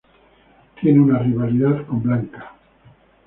Tiene una rivalidad con Blanca.